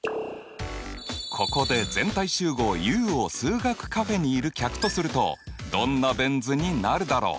ここで全体集合Ｕを数学カフェにいる客とするとどんなベン図になるだろう？